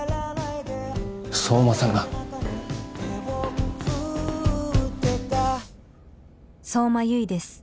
相馬さんが「相馬悠依です」